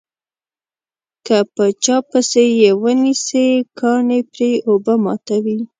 که په چا پسې یې ونسي کاڼي پرې اوبه ماتوي.